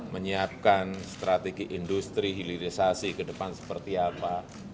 menyiapkan strategi industri hilirisasi ke depan seperti apa